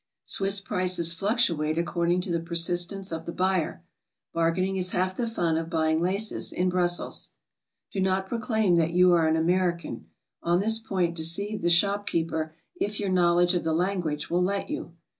Swiss prices fluctuate according to 'the persistence of the buyer. Bargaining is half the fun of buying laces in Brussels. Do not proclaim that you are an American. On this point deceive the shop keeper if your knowledge of the lan guage will let you.